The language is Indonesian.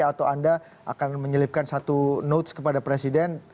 atau anda akan menyelipkan satu notes kepada presiden